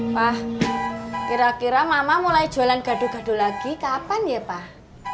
pak kira kira mama mulai jualan gadu gadu lagi kapan ya pak